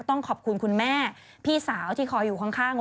ต้องขอบคุณคุณแม่พี่สาวที่คอยอยู่ข้าง